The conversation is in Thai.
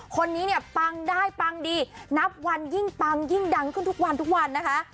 คนนี้เนี่ยปังได้ปังดีนับวันยิ่งปังยิ่งดังขึ้นทุกวันทุกวันนะคะ